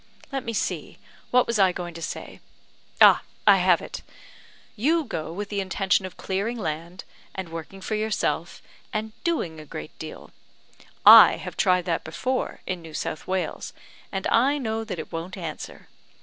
Let me see; what was I going to say? ah, I have it! You go with the intention of clearing land, and working for yourself, and doing a great deal. I have tried that before in New South Wales, and I know that it won't answer.